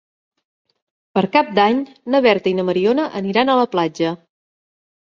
Per Cap d'Any na Berta i na Mariona aniran a la platja.